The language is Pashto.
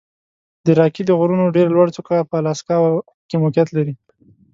د راکي د غرونو ډېره لوړه څوکه په الاسکا کې موقعیت لري.